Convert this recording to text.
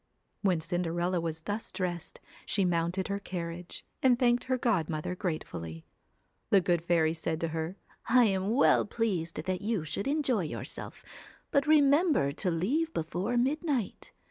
When Cinderella was thus dressed, she mounted her carriage, and thanked her godmother grate fully. The good fairy said to her: 'I am well pleased that you should enjoy yourself. But re member to leave before midnight.